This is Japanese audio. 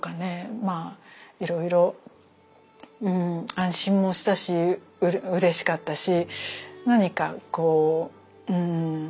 まあいろいろ安心もしたしうれしかったし何かこうそうね